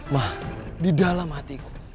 ma di dalam hatiku